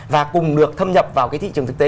và cùng được thâm nhập vào cái thị trường thực tế